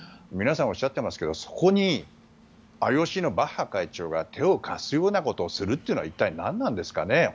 皆さんおっしゃっていますけどそこにＩＯＣのバッハ会長が手を貸すようなことをするというのは一体何なんですかね。